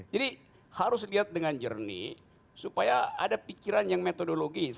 jadi harus lihat dengan jernih supaya ada pikiran yang metodologis